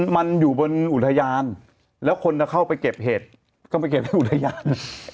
มันอยู่บนอุทยานแล้วคนจะเข้าไปเก็บเห็ดก็ไปเก็บไว้อุทยาน